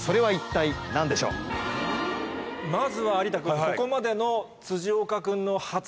まずは有田君ここまでの。